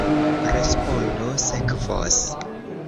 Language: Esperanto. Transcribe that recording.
Respondo sekvos.